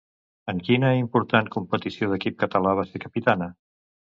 En quina important competició d'equip català va ser capitana?